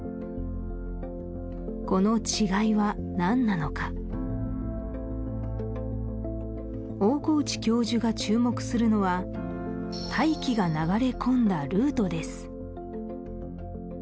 この違いは何なのか大河内教授が注目するのは大気が流れ込んだルートです